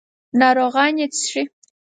ناروغان یې څښي.